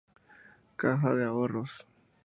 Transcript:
Caja de Ahorros.